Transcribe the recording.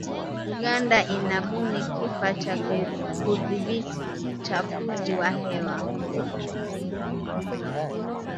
Uganda inabuni kifaa cha kudhibiti uchafuzi wa hewa